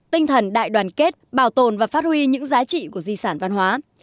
tinh thần đại đoàn kết bảo tồn và phát huy những giá trị của di sản văn hóa